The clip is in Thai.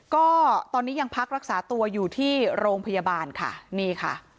ก็ตอนนี้ยังพักรักษาตัวอยู่ที่โรงพยาบาลค่ะนี่ค่ะ